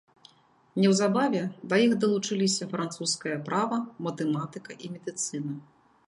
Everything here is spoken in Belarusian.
Неўзабаве да іх далучыліся французскае права, матэматыка і медыцына.